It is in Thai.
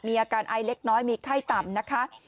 อาการไอเล็กน้อยมีไข้ต่ำนะคะ